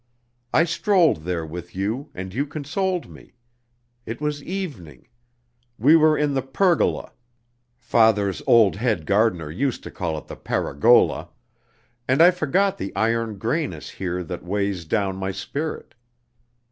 I strolled there with you, and you consoled me. It was evening. We were in the pergola (Father's old head gardener used to call it the 'paragolla'), and I forgot the iron grayness here that weighs down my spirit.